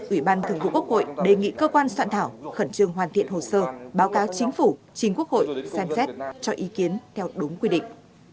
ủy ban thường vụ quốc hội đề nghị cơ quan soạn thảo khẩn trương hoàn thiện hồ sơ báo cáo chính phủ chính quốc hội xem xét cho ý kiến theo đúng quy định